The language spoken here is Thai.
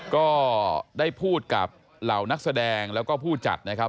ก็ได้พูดกับเหล่านักแสดงแล้วก็ผู้จัดนะครับ